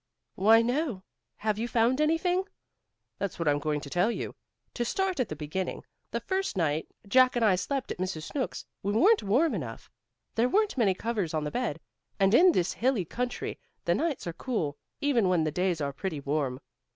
"Why, no! Have you found anything?" "That's what I'm going to tell you. To start at the beginning, the first night Jack and I slept at Mrs. Snooks', we weren't warm enough. There weren't many covers on the bed, and in this hilly country the nights are cool, even when the days are pretty warm.